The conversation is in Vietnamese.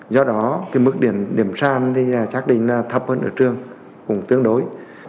do đó cái mức điểm sàn thì chắc chắn thấp hơn ở trường cũng tương đối